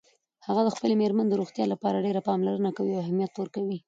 هغه د خپلې میرمن د روغتیا لپاره ډېره پاملرنه کوي او اهمیت ورکوي